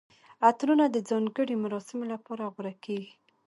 عطرونه د ځانګړي مراسمو لپاره غوره کیږي.